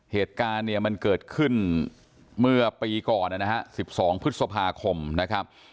เหตุการณ์เนี่ยมันเกิดขึ้นเมื่อปีก่อนนะฮะ๑๒พฤษภาคมนะครับ